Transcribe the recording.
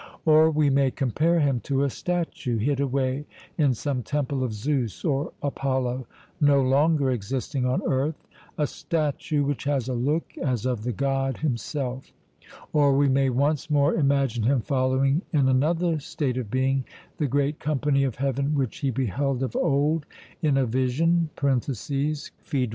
Or we may compare him to a statue hid away in some temple of Zeus or Apollo, no longer existing on earth, a statue which has a look as of the God himself. Or we may once more imagine him following in another state of being the great company of heaven which he beheld of old in a vision (Phaedr.).